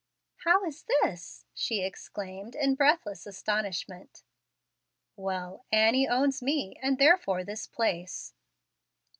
"How is this?" she exclaimed, in breathless astonishment. "Well, Annie owns me, and therefore this place."